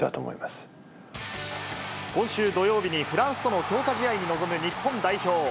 今週土曜日に、フランスとの強化試合に臨む日本代表。